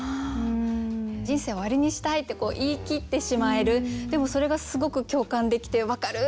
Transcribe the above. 「人生を終わりにしたい」って言い切ってしまえるでもそれがすごく共感できてわかる！って思いましたね。